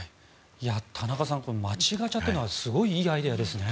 田中さん街ガチャというのはすごいいいアイデアですね。